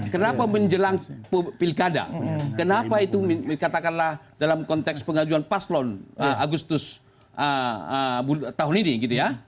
kenapa menjelang pilkada kenapa itu katakanlah dalam konteks pengajuan paslon agustus tahun ini gitu ya